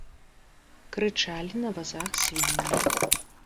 Крычалі на вазах свінні.